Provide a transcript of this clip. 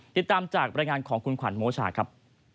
ติดตามจากบรรยายงานของคุณขวัญโมชาครับ